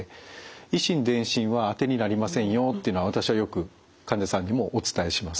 以心伝心は当てになりませんよというのは私はよく患者さんにもお伝えします。